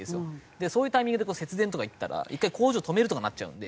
そういうタイミングで節電とか言ったら一回工場止めるとかなっちゃうんで。